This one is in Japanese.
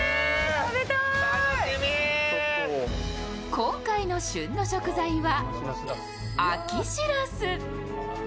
今回の旬の食材は、秋しらす。